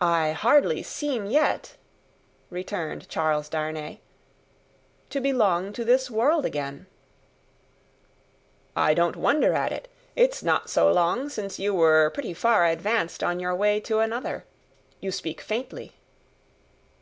"I hardly seem yet," returned Charles Darnay, "to belong to this world again." "I don't wonder at it; it's not so long since you were pretty far advanced on your way to another. You speak faintly."